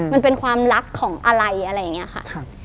มันเป็นความรักของอะไรอะไรอย่างนี้ค่ะ